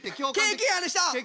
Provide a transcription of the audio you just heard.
経験ある？